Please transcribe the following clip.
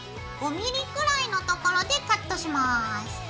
５ミリくらいのところでカットします。